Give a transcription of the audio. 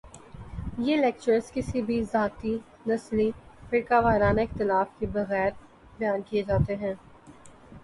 یہ لیکچرز کسی بھی ذاتی ، نسلی ، فرقہ ورانہ اختلاف کے بغیر بیان کیے جاتے ہیں